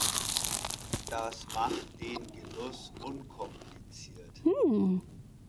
Das macht den Genuss unkompliziert.